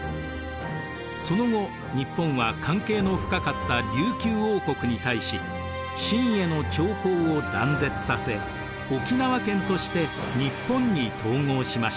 その後日本は関係の深かった琉球王国に対し清への朝貢を断絶させ沖縄県として日本に統合しました。